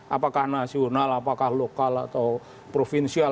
apakah nasional apakah lokal atau provinsi